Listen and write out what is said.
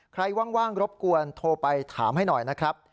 ว่างรบกวนโทรไปถามให้หน่อยนะครับ